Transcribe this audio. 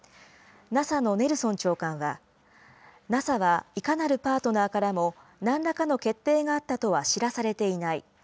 ＮＡＳＡのネルソン長官は、ＮＡＳＡはいかなるパートナーからもなんらかの決定があったとは知らされていない。